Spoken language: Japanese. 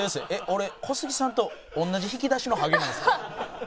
俺小杉さんと同じ引き出しのハゲなんですか？